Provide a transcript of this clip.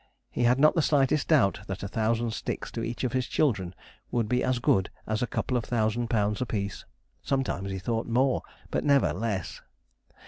He had not the slightest doubt that a thousand sticks to each of his children would be as good as a couple of thousand pounds a piece; sometimes he thought more, but never less.